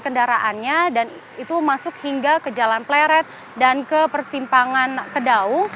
kendaraannya dan itu masuk hingga ke jalan pleret dan ke persimpangan kedau